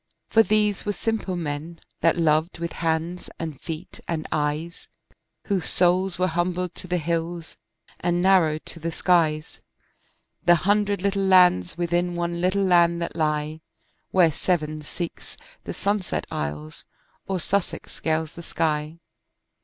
For these were simple men that loved with hands and feet and eyes, Whose souls were humbled to the hills and narrowed to the skies, The hundred little lands within one little land that lie, Where Severn seeks the sunset isles or Sussex scales the sky.